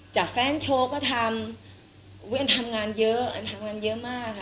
แฟนโชว์ก็ทำเวียนทำงานเยอะอันทำงานเยอะมากค่ะ